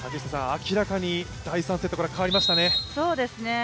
明らかに第３セットから変わりましたね。